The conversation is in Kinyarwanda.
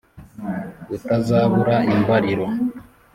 utazabura imbaliro